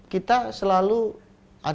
kita selalu ada pembahasan